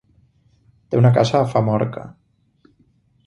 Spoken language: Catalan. Té una casa a Famorca.